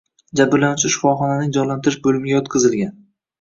Jabrlanuvchi shifoxonaning jonlantirish bo‘limiga yotqizilgan